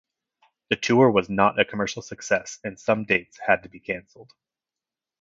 The tour was not a commercial success and some dates had to be cancelled.